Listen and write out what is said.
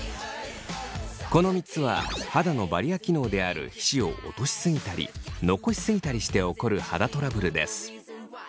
この３つは肌のバリア機能である皮脂を落としすぎたり残しすぎたりして起こる肌トラブルです。